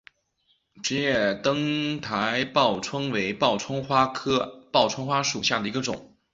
齿叶灯台报春为报春花科报春花属下的一个种。